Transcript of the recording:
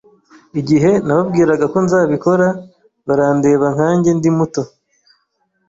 Igihe nababwiraga ko nzabikora, barandeba nkanjye ndi muto.